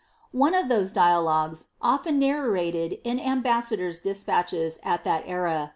One of thope dialognes, often narrated in ambassadors' despatches at Aai era.